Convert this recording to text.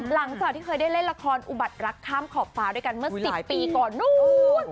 หลังจากที่เคยได้เล่นละครอุบัติรักข้ามขอบฟ้าด้วยกันเมื่อ๑๐ปีก่อนนู้น